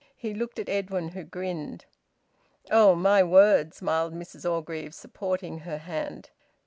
He looked at Edwin, who grinned. "Oh! My word!" smiled Mrs Orgreave, supporting her hand.